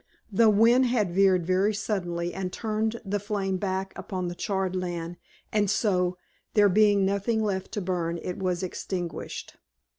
"The wind had veered very suddenly and turned the flame back upon the charred land and so, there being nothing left to burn, it was extinguished.